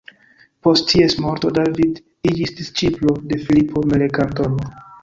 Post ties morto David iĝis disĉiplo de Filipo Melanktono.